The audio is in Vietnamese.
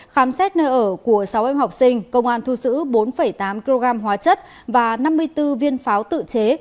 khám xét nơi ở của sáu em học sinh công an thu giữ bốn tám kg hóa chất và năm mươi bốn viên pháo tự chế